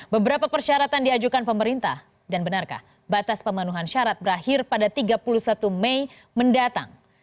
beberapa persyaratan diajukan pemerintah dan benarkah batas pemenuhan syarat berakhir pada tiga puluh satu mei mendatang